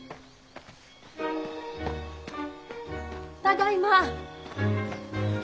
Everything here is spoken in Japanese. ただいま。